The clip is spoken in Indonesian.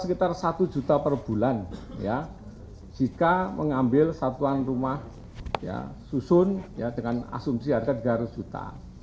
sekitar satu juta per bulan jika mengambil satuan rumah susun dengan asumsi harga tiga ratus juta